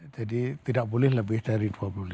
jadi tidak boleh lebih dari dua puluh lima